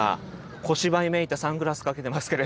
小芝居めいたサングラスかけてますけれども。